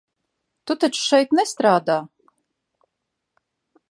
Tu taču šeit nestrādā?